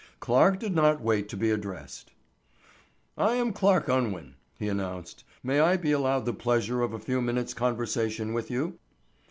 Clarke did not wait to be addressed. "I am Clarke Unwin," he announced. "May I be allowed the pleasure of a few minutes' conversation with you?"